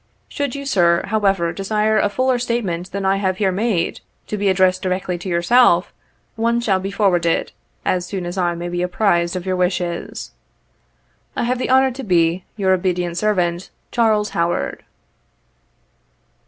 Should you, sir, however, desire a fuller statement than I have here made, to be addressed directly to yourself, one shall be forwarded, as soon as I may be apprised of your wishes. '' I have the honor to be " Your obedient servant, "CHARLES HOWARD."